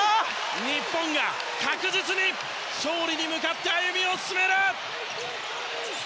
日本が確実に勝利に向かって歩みを進める。